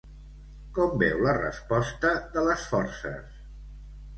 Com veu la resposta de les forces?